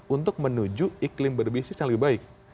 untuk menuju iklim berbisnis yang lebih baik